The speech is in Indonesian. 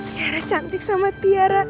tiara cantik sama tiara